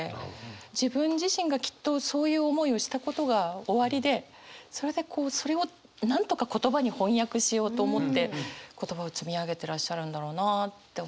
自分自身がきっとそういう思いをしたことがおありでそれでこうそれをなんとか言葉に翻訳しようと思って言葉を積み上げてらっしゃるんだろうなって思って。